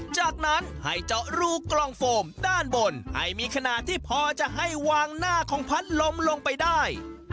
จากนั้นให้เจาะรูกล่องโฟมด้านบนให้มีขนาดที่พอจะให้วางหน้าของพัดลมลงไปได้